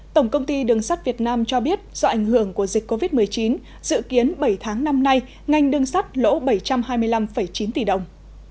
tổng công ty đường sắt việt nam cho biết do ảnh hưởng của dịch covid một mươi chín dự kiến bảy tháng năm nay ngành đường sắt lỗ bảy trăm hai mươi năm chín tỷ đồng